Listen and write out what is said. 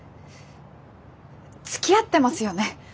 つきあってますよね？